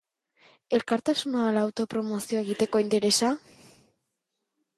Elkartasuna ala auto-promozioa egiteko interesa?